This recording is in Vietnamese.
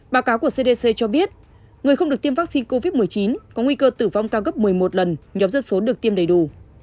báo cáo của cdc cho biết người không được tiêm vaccine covid một mươi chín có nguy cơ tử vong cao gấp một mươi một lần nhóm dân số được tiêm đầy đủ